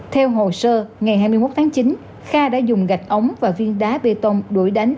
theo hồ sơ ngày hai mươi một tháng chín kha đã dùng gạch ống và viên đá bê tông đuổi đánh